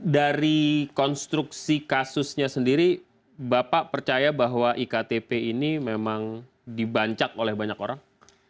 dari konstruksi kasusnya sendiri bapak percaya bahwa iktp ini memang dibancak oleh banyak orang